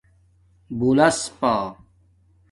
بُولس پݳ